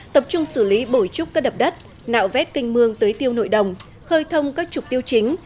tập trung xử lý bổi trúc các đập đất nạo vét canh mương tới tiêu nội đồng khơi thông các trục tiêu chính